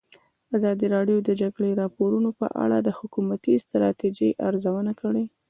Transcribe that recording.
ازادي راډیو د د جګړې راپورونه په اړه د حکومتي ستراتیژۍ ارزونه کړې.